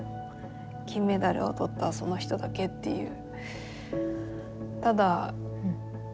金メダルを取ったその人だけっていう。